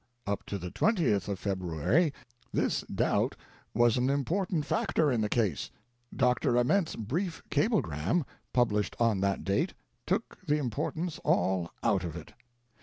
Up to the 20th of February, this doubt was an important fac tor in the case : Dr. Ament's brief cablegram, published on that date, took the importance all out of it.